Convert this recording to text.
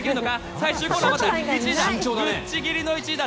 最終コーナーを回ったぶっちぎりの１位だ！